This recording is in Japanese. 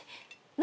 何？